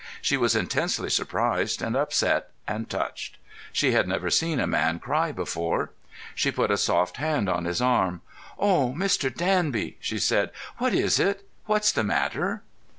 She was intensely surprised and upset and touched. She had never seen a man cry before. She put a soft hand on his arm. "Oh, Mr. Danby," she said, "what is it—what's the matter?"